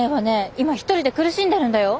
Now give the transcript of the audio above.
今一人で苦しんでるんだよ？